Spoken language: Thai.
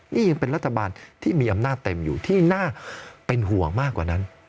นี่ยังเป็นรัฐบาลที่มีอำนาจเต็มอยู่ที่น่าเป็นห่วงมากกว่านั้น